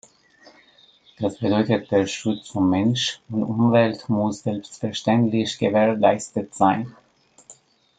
Das bedeutet, der Schutz von Mensch und Umwelt muss selbstverständlich gewährleistet sein.